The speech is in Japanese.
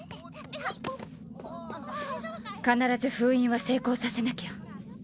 必ず封印は成功させなきゃ。